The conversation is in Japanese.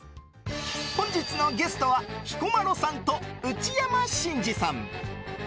本日のゲストは彦摩呂さんと内山信二さん。